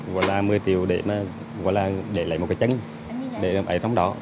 nói là một mươi triệu để lấy một cái chân để ở trong đó